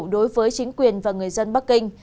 đối với chính quyền và người dân bắc kinh